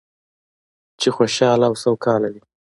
چې خوشحاله او سوکاله وي.